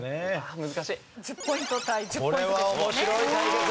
１０ポイント対１０ポイントです。